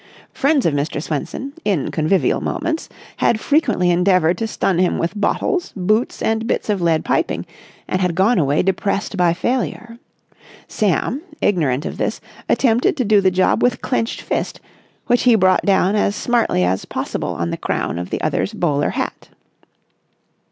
Friends of Mr. Swenson, in convivial moments, had frequently endeavoured to stun him with bottles, boots and bits of lead piping and had gone away depressed by failure. Sam, ignorant of this, attempted to do the job with clenched fist, which he brought down as smartly as possible on the crown of the other's bowler hat.